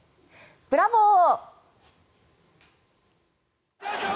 ブラボー！